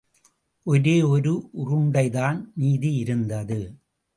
ஒரே ஒரு உருண்டைதான் மீதியிருந்தது.